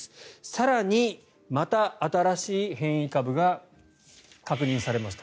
更に、また新しい変異株が確認されました。